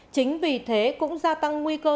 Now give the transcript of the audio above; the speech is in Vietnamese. chính vì thế cũng gia tăng nguy cơ